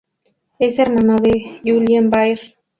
Es hermano de Julien Baer.